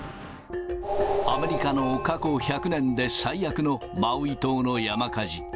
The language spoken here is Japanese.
アメリカの過去１００年で最悪のマウイ島の山火事。